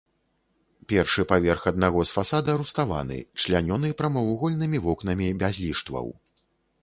Першы паверх аднаго з фасада руставаны, члянёны прамавугольнымі вокнамі без ліштваў.